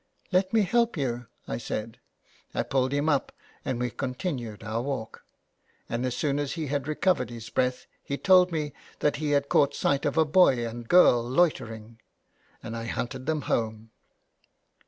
'' Let me help you," I said. I pulled him up and we continued our walk ; and as soon as he had recovered his breath he told me that he had caught sight of a boy and girl loitering. " And I hunted them home."